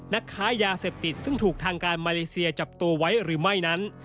นักค้ายาเสพติดซึ่งถูกทางการมาเลเซียจับตัวไว้หรือไม่นั้น